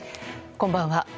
こんばんは。